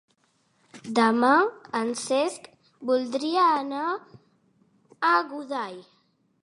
Demà en Cesc voldria anar a Godall.